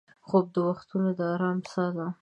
خوب د وختو د ارام سا ده